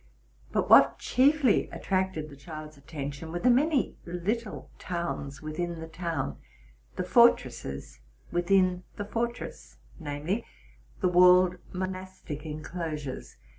But what chiefly attracted the child's attention, were the many little towns within the town, the fortresses within the fortress; viz., the walled monastic en closures.